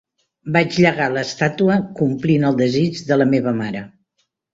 Vaig llegar l"estàtua complint el desig de la meva mare.